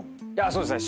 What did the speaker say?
そうですね。